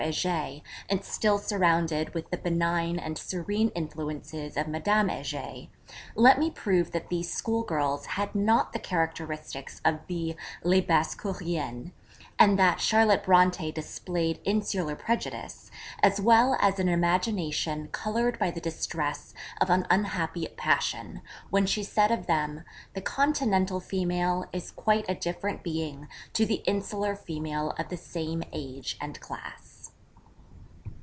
Heger, and still surrounded with the benign and serene influences of Madame Heger, let me prove that these schoolgirls had not the characteristics of the Lesbassecouriennes; and that Charlotte Brontë displayed insular prejudice, as well as an imagination coloured by the distress of an unhappy passion, when she said of them, '_The Continental female is quite a different being to the insular female of the same age and class.